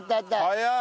早い。